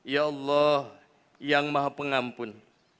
ya allah yang maha pengampun